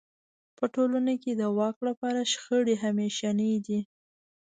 په ټولنو کې د واک لپاره شخړې همېشنۍ دي.